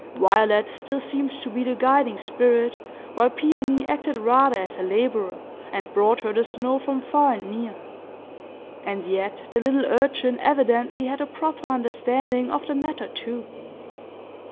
Violet still seemed to be the guiding spirit, while Peony acted rather as a laborer, and brought her the snow from far and near. And yet the little urchin evidently had a proper understanding of the matter, too!